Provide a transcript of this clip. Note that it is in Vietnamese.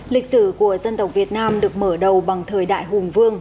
lịch sử của dân tộc việt nam được mở đầu bằng thời đại hùng vương